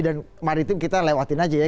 dan maritim kita lewatin aja ya